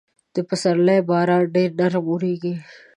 د پسرلي باران ډېر نرم اورېږي.